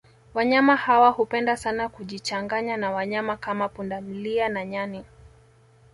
Wanyama hawa hupenda sana kujichanganya na wanyama kama pundamlia na nyani